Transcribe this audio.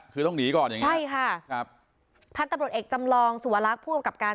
คือต้องหนีก่อนอย่างนี้ใช่ฮะครับพระทับรสเอกจำรองสู่วลคศ์ผู้กำกับการ